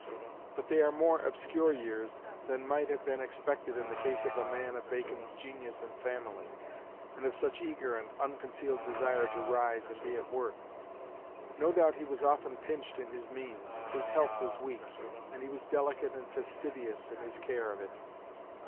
But they are more obscure years than might have been expected in the case of a man of Bacon's genius and family, and of such eager and unconcealed desire to rise and be at work. No doubt he was often pinched in his means; his health was weak, and he was delicate and fastidious in his care of it.